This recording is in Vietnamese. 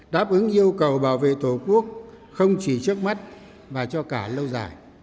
đáp ứng yêu cầu bảo vệ tổ quốc không chỉ trước mắt mà cho cả lâu dài